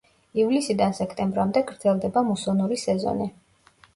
ივლისიდან სექტემბრამდე გრძელდება მუსონური სეზონი.